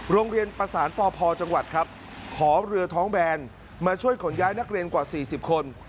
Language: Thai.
โรงเรียนประสานปพจังหวัดครับขอเรือท้องแบนมาช่วยขนย้ายนักเรียนกว่า๔๐คน